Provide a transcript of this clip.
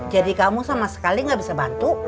jadi kamu sama sekali gak bisa bantu